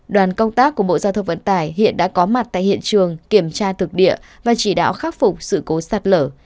đoàn công tác của bộ giao thông vận tải hiện đã có mặt tại hiện trường kiểm tra thực địa và chỉ đạo khắc phục sự cố sạt lở